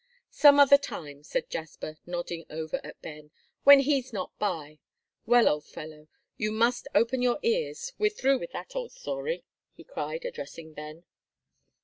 "Some other time," said Jasper, nodding over at Ben, "when he's not by. Well, old fellow, you must open your ears, we're through with that old story," he cried, addressing Ben.